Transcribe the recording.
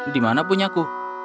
di mana punyaku